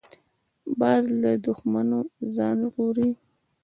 باز له دوښمنو ځان ژغوري